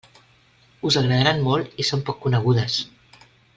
Us agradaran molt i són poc conegudes.